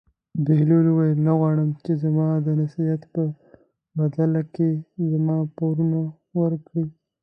بهلول وویل: نه غواړم چې زما د نصیحت په بدله کې زما پورونه ورکړې.